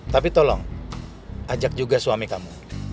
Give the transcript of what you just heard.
tapi tolong ajak juga suami kamu